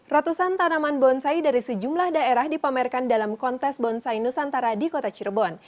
ratusan tanaman bonsai dari sejumlah daerah dipamerkan dalam kontes bonsai nusantara di kota cirebon